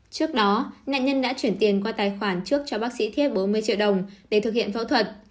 trước đó nạn nhân đã chuyển tiền qua tài khoản trước cho bác sĩ thiết bốn mươi triệu đồng để thực hiện phẫu thuật